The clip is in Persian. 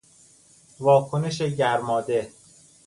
واکنش گرماده